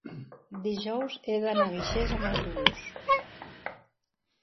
dijous he d'anar a Guixers amb autobús.